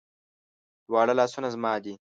دواړه لاسونه زما دي